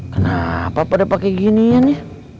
kenapa pada pake giniannya